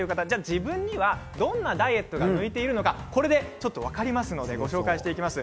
自分にはどんなダイエットが向いているのかこれで分かりますのでご紹介していきます。